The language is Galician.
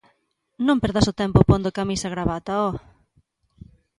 Non perdas o tempo pondo camisa e gravata, ho.